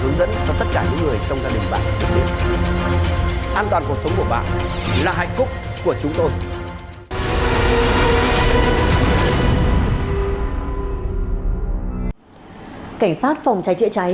cảnh sát phòng trái trị trái của chúng tôi